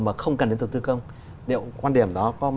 mà không cần đến tầng tư công